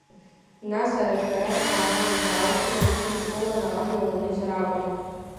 Нас арашәара ҳәа аамҭа алхны, уҽеидкыланы амҩа уанызар акәын.